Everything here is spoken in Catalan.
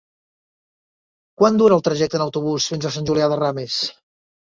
Quant dura el trajecte en autobús fins a Sant Julià de Ramis?